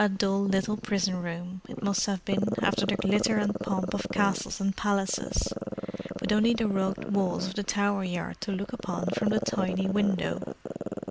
A dull little prison room, it must have been, after the glitter and pomp of castles and palaces—with only the rugged walls of the Tower Yard to look upon from the tiny window.